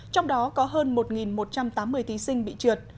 trong đó có hơn một một trăm tám mươi thí sinh bị trượt